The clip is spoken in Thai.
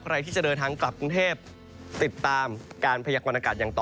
ใครที่จะเดินทางกลับกรุงเทพติดตามการพยากรณากาศอย่างต่อ